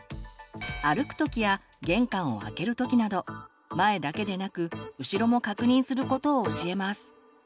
歩くときや玄関を開けるときなど前だけでなく後ろも確認することを教えます。